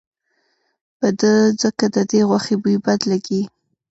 په ده ځکه ددې غوښې بوی بد لګي.